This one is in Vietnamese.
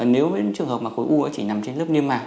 nếu những trường hợp mà khối u chỉ nằm trên lớp niêm mạc